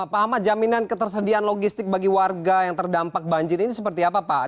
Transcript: pak ahmad jaminan ketersediaan logistik bagi warga yang terdampak banjir ini seperti apa pak